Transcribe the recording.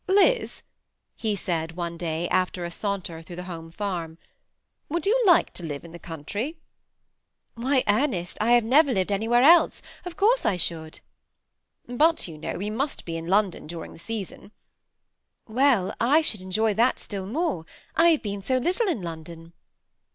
*' Liz," he said one day, after a saunter through the home farm, " would you like to live in the counti y ?"" Why, Ernest, I have never lived anywhere else ; of course I should." ^ But, you know, we must be in London during the session." 358 THE SEMI ATTACHED COUPLE. ^ Well, J should enjoy that still more. I hare been 80 little in London."